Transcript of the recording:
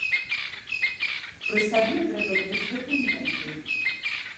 Пры сабе трэба мець дакументы.